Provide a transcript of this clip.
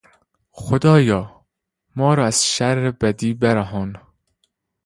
خدایا - ما را از شر بدی برهان.